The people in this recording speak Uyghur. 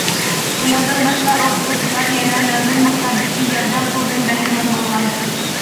ئۇنىڭدىن باشقا، ئوقۇغۇچىلار يەنە مەلۇم مىقداردىكى ياردەم پۇلدىن بەھرىمەن بولغان.